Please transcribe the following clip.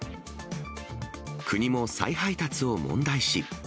国も再配達を問題視。